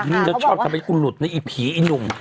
นี่ก็ชอบทำเป็นกุนหลุดนะอีผีอีหนุ่ม